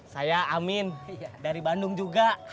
saya amin dari bandung juga